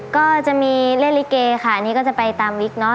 ก็จะมีเล่นลิเกค่ะอันนี้ก็จะไปตามวิกเนอะ